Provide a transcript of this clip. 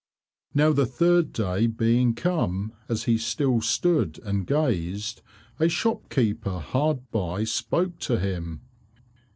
Now the third day being come as he still stood and gazed, a shopkeeper hard by spoke to him.